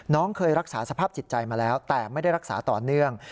เคยรักษาสภาพจิตใจมาแล้วแต่ไม่ได้รักษาต่อเนื่อง